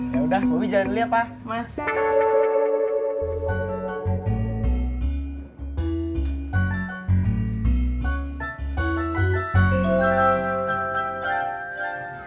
yaudah bobby jalan dulu ya pak